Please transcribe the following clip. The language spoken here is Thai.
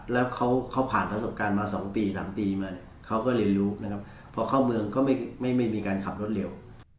แล้วเขาผ่านประสบการณ์มา๒ปี๓ปีมาเขาก็เรียนรู้นะครับพอเข้าเมืองก็ไม่มีการขับรถเร็ว